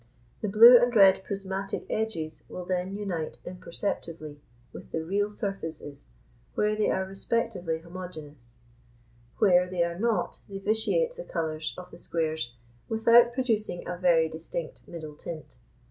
The blue and red prismatic edges will then unite imperceptibly with the real surfaces where they are respectively homogeneous; where they are not, they vitiate the colours of the squares without producing a very distinct middle tint.